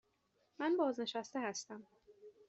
من بازنشسته هستم.